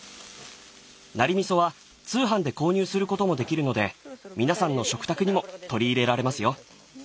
ナリ味噌は通販で購入することもできるので皆さんの食卓にも取り入れられますよ。